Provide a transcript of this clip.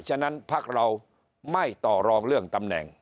ฉะนั้นพักเราไม่ต่อรองเรื่องตำแหน่ง